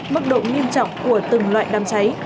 mức độ nghiêm trọng của từng loại đam trái